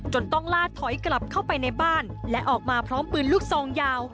ต้องลาดถอยกลับเข้าไปในบ้านและออกมาพร้อมปืนลูกซองยาว